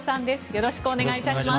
よろしくお願いします。